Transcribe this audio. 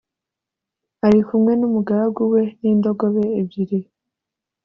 ari kumwe n umugaragu we n indogobe ebyiri